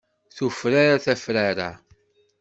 Tufrar tafrara.